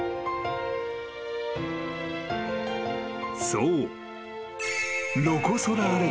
［そう］